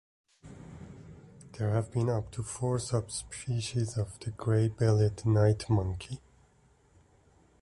There have been up to four subspecies of the gray-bellied night monkey.